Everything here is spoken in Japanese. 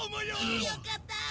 よかった！